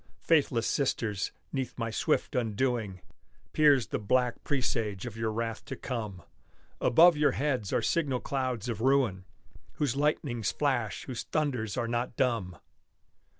faithless sisters, 'neath my swift undoing, Peers the black presage of your wrath to come; Above your heads are signal clouds of ruin, Whose lightnings flash, whose thunders are not dumb!